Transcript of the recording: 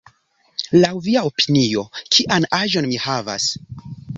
Laŭ via opinio, kian aĝon mi havas?